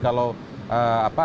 kalau kita meneliti